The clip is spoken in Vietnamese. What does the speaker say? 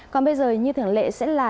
còn bây giờ như thường lệ sẽ là